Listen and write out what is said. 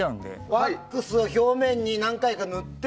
ワックスを表面に何回か塗って。